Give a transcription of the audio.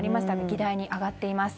議題に挙がっています。